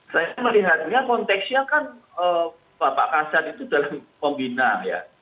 saya melihatnya konteksnya kan bapak kasat itu dalam pembina ya